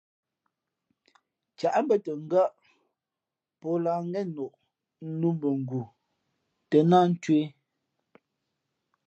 Ncǎʼ mbᾱʼtα ngά́ʼ pí lǎh ngén noʼ nnū mbα nguh tα náh ncwē.